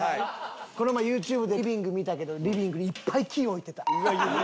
この前ユーチューブでリビング見たけどリビングにいっぱい木置いてた。